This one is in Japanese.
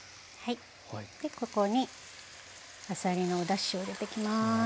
ここにあさりのおだしを入れていきます。